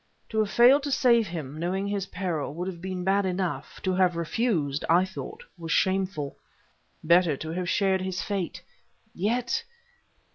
To have failed to save him, knowing his peril, would have been bad enough; to have refused, I thought was shameful. Better to have shared his fate yet...